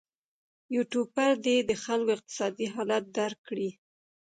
یوټوبر دې د خلکو اقتصادي حالت درک کړي.